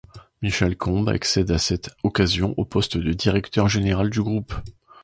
Michel Combes accède à cette occasion au poste de directeur général du groupe.